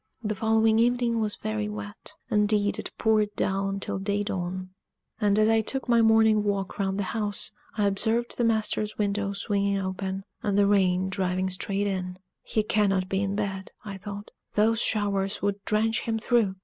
The following evening was very wet; indeed, it poured down till day dawn; and as I took my morning walk round the house, I observed the master's window swinging open, and the rain driving straight in. "He cannot be in bed," I thought: "those showers would drench him through!